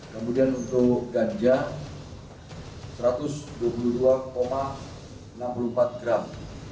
kemudian untuk ganja satu ratus dua puluh dua enam puluh empat gram